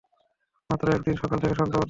মাত্র একদিন, সকাল থেকে সন্ধ্যা পর্যন্ত।